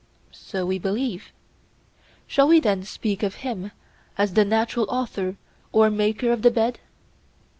So we believe. Shall we, then, speak of Him as the natural author or maker of the bed?